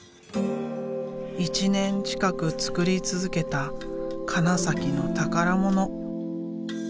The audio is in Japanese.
１年近く作り続けた金崎の宝物。